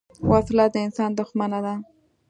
وسله د انسان دښمنه ده